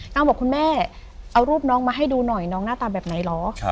บอกคุณแม่เอารูปน้องมาให้ดูหน่อยน้องหน้าตาแบบไหนเหรอ